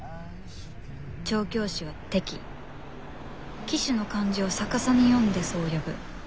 調教師はテキ騎手の漢字を逆さに読んでそう呼ぶ。